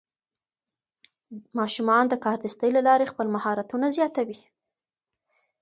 ماشومان د کاردستي له لارې خپل مهارتونه زیاتوي.